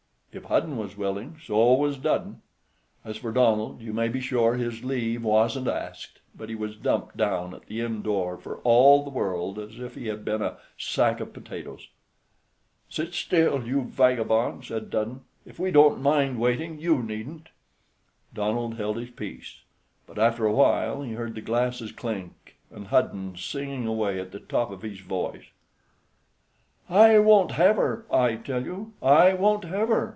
If Hudden was willing, so was Dudden. As for Donald, you may be sure his leave wasn't asked, but he was dumped down at the inn door for all the world as if he had been a sack of potatoes. "Sit still, you vagabond," said Dudden; "if we don't mind waiting, you needn't." Donald held his peace, but after a while he heard the glasses clink, and Hudden singing away at the top of his voice. "I won't have her, I tell you; I won't have her!"